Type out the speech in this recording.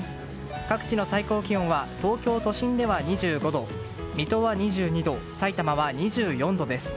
各地の最高気温は東京都心では２５度水戸は２２度さいたまは２４度です。